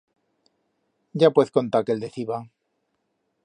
Ya puez contar que el deciba.